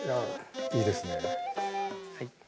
いいですね。